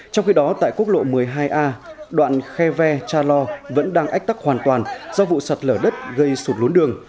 trong khi đó tại quốc lộ một mươi hai a đoạn khe ve cha lo vẫn đang ách tắc hoàn toàn do vụ sạt lở đất gây sụt lún đường